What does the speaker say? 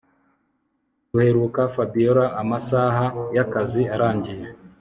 Duheruka Fabiora amasaha yakazi arangiye